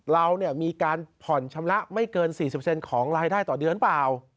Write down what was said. เรามีการผ่อนชำระไม่เกิน๔๐ของรายได้ต่อเดือนเปล่า